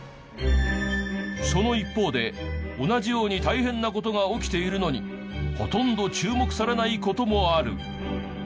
その一方で同じように大変な事が起きているのにほとんど注目されない事もある。